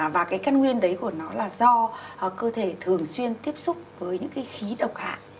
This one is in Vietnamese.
và cái căn nguyên đấy của nó là do cơ thể thường xuyên tiếp xúc với những cái khí độc hại